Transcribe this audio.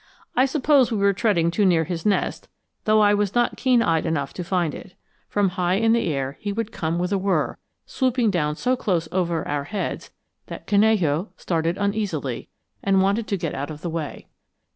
I suppose we were treading too near his nest, though I was not keen eyed enough to find it. From high in the air, he would come with a whirr, swooping down so close over our heads that Canello started uneasily and wanted to get out of the way.